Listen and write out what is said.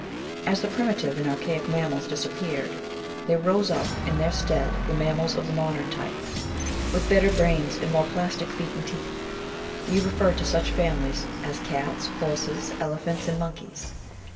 As the primitive and archaic mammals disappeared, there rose up in their stead the mammals of the modern type — ^with better brains and more plastic feet and teeth. We refer to such families as Cats, Horses, Elephants, and Monkeys.